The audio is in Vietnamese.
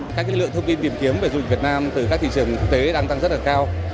các lượng thông tin tìm kiếm về du lịch việt nam từ các thị trường quốc tế đang tăng rất là cao